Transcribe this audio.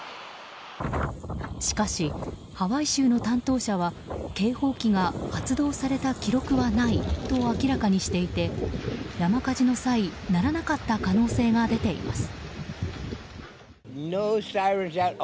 しかし、ハワイ州の担当者は警報機が発動された記録はないと明らかにしていて山火事の際、鳴らなかった可能性が出ています。